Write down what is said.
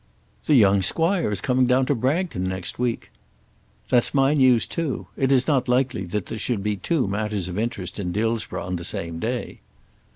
"The young squire is coming down to Bragton next week." "That's my news too. It is not likely that there should be two matters of interest in Dillsborough on the same day."